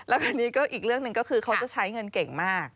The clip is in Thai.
แล้วทีนี้ก็อีกเรื่องหนึ่งก็คือเขาจะใช้เงินเก่งมาก